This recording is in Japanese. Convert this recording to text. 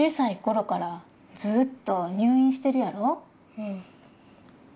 うん。